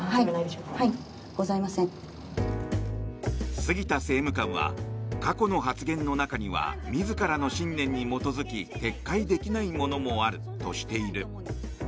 杉田政務官は過去の発言の中には自らの信念に基づき撤回できないものもあるとしている。